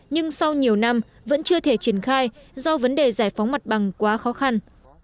nhưng sau nhiều năm vẫn chưa thể triển khai do vấn đề giải phóng mặt bằng quá khó khăn